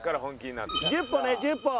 １０歩ね１０歩。